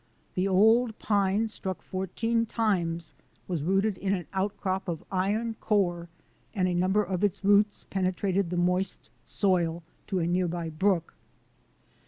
The old pine struck fourteen times was rooted in an outcrop of iron ore and a number of its roots penetrated the moist soil to a near by brook.